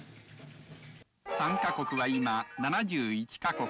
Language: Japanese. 参加国は今、７１か国。